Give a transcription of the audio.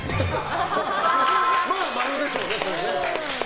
まあ、○でしょうね。